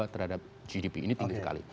empat dua terhadap gdp ini tinggi sekali